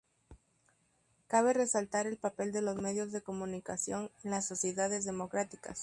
Cabe resaltar el papel de los medios de comunicación en las sociedades democráticas.